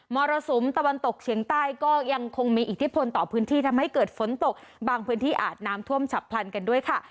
รสุมตะวันตกเฉียงใต้ก็ยังคงมีอิทธิพลต่อพื้นที่ทำให้เกิดฝนตกบางพื้นที่อาจน้ำท่วมฉับพลันกันด้วยค่ะ